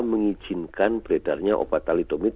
mengizinkan beredarnya obat telodomid